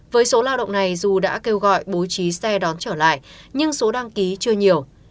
với số lao động này dù đã kêu gọi bố trí xe đón trở lại nhưng số đăng ký chưa nhiều